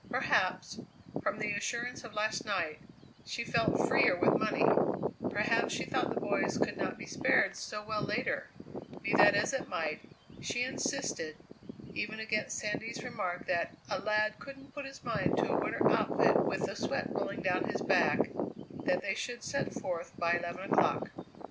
Perhaps, from the assurance of last night, she felt freer with money; perhaps she thought the boys could not be spared so well later; be that as it might, she insisted, even against Sandy's remark that "a lad couldn't put his mind to a winter outfit with the sweat rolling down his back," that they should set forth by eleven o'clock.